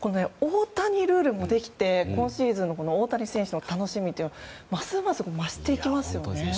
大谷ルールもできて今シーズンの大谷選手の楽しみというのがますます増していきますよね。